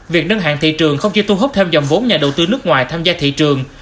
việc nâng hạng thị trường không chỉ thu hút thêm dòng vốn nhà đầu tư nước ngoài tham gia thị trường